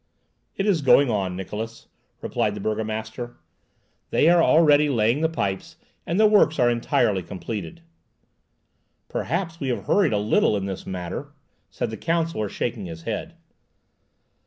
"It is going on, Niklausse," replied the burgomaster. "They are already laying the pipes, and the works are entirely completed." "Perhaps we have hurried a little in this matter," said the counsellor, shaking his head.